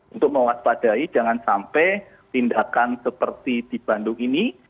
untuk mewaspadai jangan sampai tindakan seperti di bandung ini